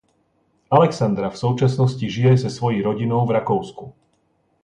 Alexandra v současnosti žije se svojí rodinou v Rakousku.